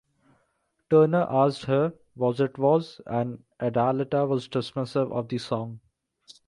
Turner asked her was it was and Adalita was dismissive of the song.